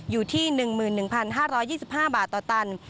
อยู่ที่๑๑๕๒๕บาทต่อตัน